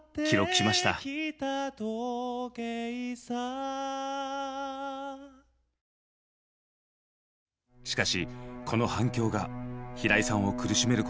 しかしこの反響が平井さんを苦しめることになります。